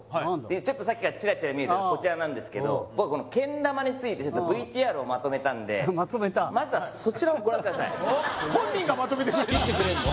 ちょっとさっきからチラチラ見えてるこちらなんですけど僕このけん玉についてちょっとＶＴＲをまとめたんでまずはそちらをご覧ください本人がまとめて仕切ってくれんの？